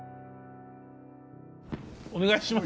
お願いします。